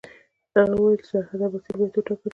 هغه وویل چې سرحد اباسین باید وټاکل شي.